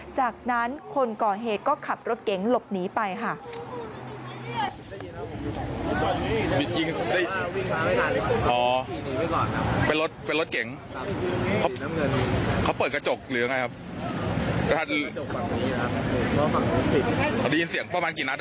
จากนั้นคนก่อเหตุก็ขับรถเก๋งหลบหนีไปค่ะ